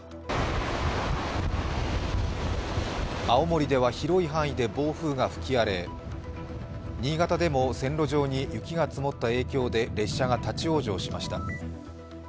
青森では広い範囲で暴風が吹き荒れ、新潟でも線路上に雪が積もった影響で列車が立往生しました。